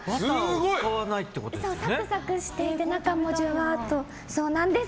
サクサクしていて中もジュワーッと。